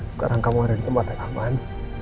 sekarang kamu ada di tempat yang aman